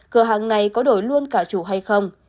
cửa hàng này có đổi luôn cả chủ hay không